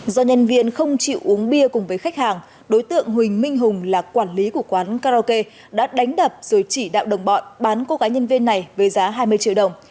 do nhân viên không chịu uống bia cùng với khách hàng đối tượng huỳnh minh hùng là quản lý của quán karaoke đã đánh đập rồi chỉ đạo đồng bọn bán cô gái nhân viên này với giá hai mươi triệu đồng